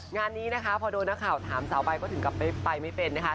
งานนี้นะคะพอโดนนักข่าวถามสาวใบก็ถึงกลับไปไม่เป็นนะคะ